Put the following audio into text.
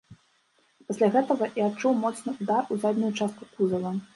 Пасля гэтага і адчуў моцны ўдар у заднюю частку кузава.